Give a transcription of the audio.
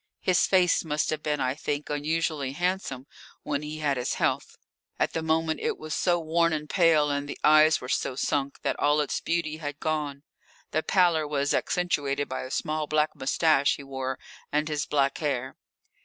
His face must have been, I think, unusually handsome when he had his health; at the moment it was so worn and pale, and the eyes were so sunk, that all its beauty had gone. The pallor was accentuated by a small black moustache he wore and his black hair.